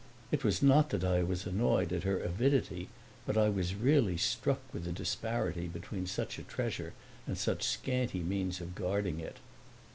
It was not that I was annoyed at her avidity but I was really struck with the disparity between such a treasure and such scanty means of guarding it.